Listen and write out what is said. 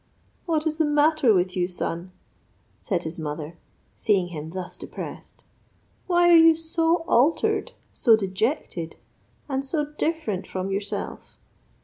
"What is the matter with you, son?" said his mother, seeing him thus depressed. "Why are you so altered, so dejected, and so different from yourself?